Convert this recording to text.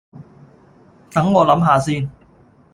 等我諗吓先